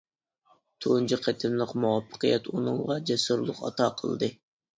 تۇنجى قېتىملىق مۇۋەپپەقىيەت ئۇنىڭغا جەسۇرلۇق ئاتا قىلدى.